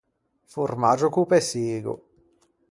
Formaggio co-o pessigo.